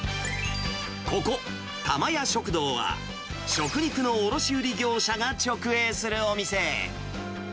ここ、たま家食堂は食肉の卸売り業者が直営するお店。